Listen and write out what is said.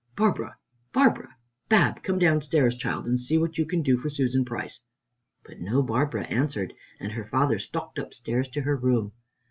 Barbara, Barbara Bab, come downstairs, child, and see what you can do for Susan Price." But no Barbara answered, and her father stalked upstairs to her room.